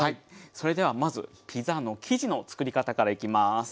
それではまずピザの生地のつくり方からいきます。